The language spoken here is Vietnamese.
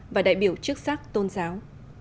và đại biểu chức sát tôn giáo